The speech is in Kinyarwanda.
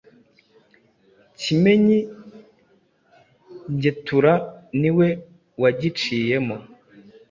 Kimenyi Ngetura niwe wagiciyemo